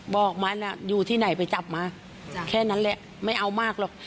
บอกมันอยู่ที่ไหนไปจับมาแค่นั้นแหละไม่เอามากหรอก